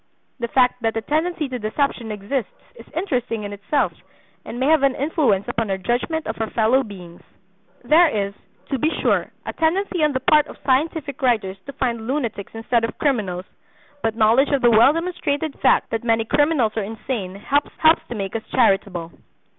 The fact that a tendency to deception exists is interesting in itself, and may have an influence upon our judgment of our fellow beings. There is, to be sure, a tendency on the part of scientific writers to find lunatics instead of criminals; but knowledge of the well demonstrated fact that many criminals are insane helps to make us charitable.